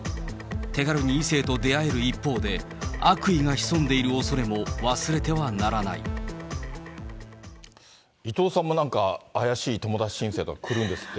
手軽に異性と出会える一方で、悪意が潜んでいるおそれも忘れては伊藤さんもなんか、怪しい友達申請が来るんですって。